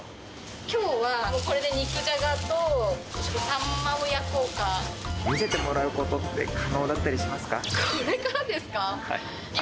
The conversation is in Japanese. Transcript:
きょうは、これで肉じゃがと、見せてもらうことって可能だこれからですか？